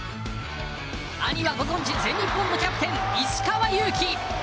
兄はご存じ全日本のキャプテン石川祐希。